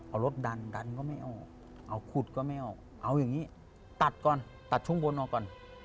เอารถดันดันก็ไม่ออกเอาขุดก็ไม่ออกเอาอย่างนี้ตัดก่อนตัดช่วงบนออกก่อน